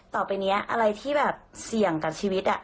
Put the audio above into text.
ต่อไปนี้อะไรที่แบบเสี่ยงกับชีวิต